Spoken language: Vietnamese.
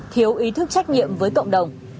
thiếu ý thức trách nhiệm với cộng đồng